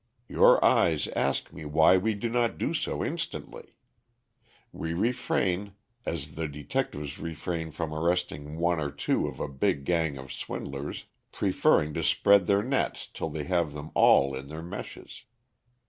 Your eyes ask me why we do not do so instantly. We refrain, as the detectives refrain from arresting one or two of a big gang of swindlers, preferring to spread their nets till they have them all in their meshes.